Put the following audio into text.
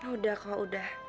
udah kok udah